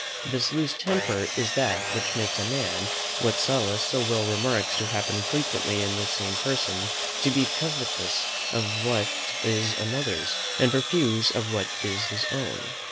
This loose temper is that which makes a man, what Sallust so well remarks to happen frequently in the same person, to be covetous of what is another's, and profuse of what is his own.